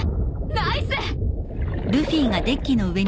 ナイス！